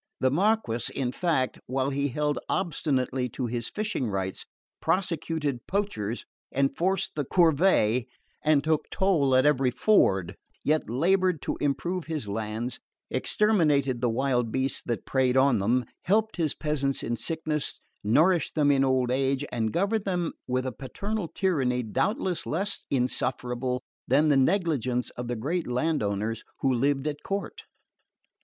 The Marquess, in fact, while he held obstinately to his fishing rights, prosecuted poachers, enforced the corvee and took toll at every ford, yet laboured to improve his lands, exterminated the wild beasts that preyed on them, helped his peasants in sickness, nourished them in old age and governed them with a paternal tyranny doubtless less insufferable than the negligence of the great land owners who lived at court.